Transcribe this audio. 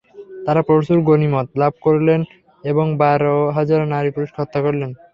তারা প্রচুর গণিমত লাভ করলেন এবং বার হাজার নারী-পুরুষকে হত্যা করলেন।